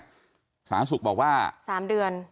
สาธารณสุขบอกว่า๓เดือน